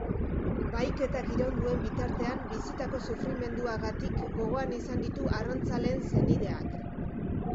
Bahiketak iraun duen bitartean bizitako sufrimenduagatik gogoan izan ditu arrantzaleen senideak.